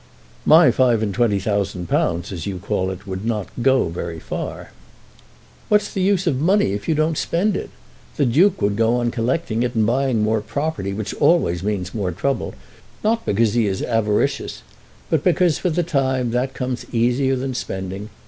"My five and twenty thousand pounds, as you call it, would not go very far." "What's the use of money if you don't spend it? The Duke would go on collecting it and buying more property, which always means more trouble, not because he is avaricious, but because for the time that comes easier than spending.